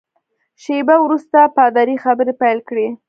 شېبه وروسته پادري خبرې پیل کړې.